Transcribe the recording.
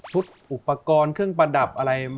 อุปกรณ์เครื่องประดับอะไร